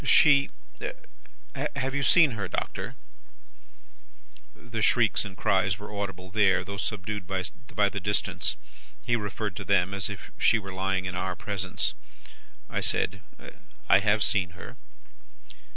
She have you seen her, Doctor?' "The shrieks and the cries were audible there, though subdued by the distance. He referred to them, as if she were lying in our presence. "I said, 'I have seen her.